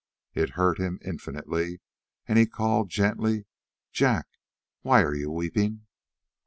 It hurt him infinitely, and he called gently: "Jack, why are you weeping?"